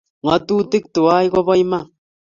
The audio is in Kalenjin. Ngautik tuwai ko ba iman